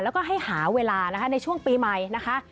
แล้วก็ให้หาเวลานะคะในช่วงปีใหม่นะคะ